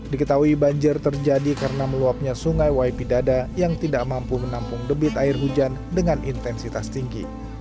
diketahui banjir terjadi karena meluapnya sungai waipidada yang tidak mampu menampung debit air hujan dengan intensitas tinggi